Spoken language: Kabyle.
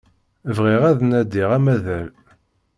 Bɣiɣ ad nadiɣ amaḍal.